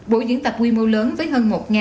bộ diễn tập quy mô lớn với hơn một